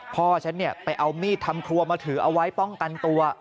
พ่อฉันไปเอามีดทำครัวมาถือเอาไว้ป้องกันตัว